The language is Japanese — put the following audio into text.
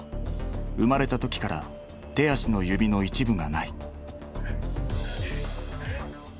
生まれた時から手足の指の一部がない。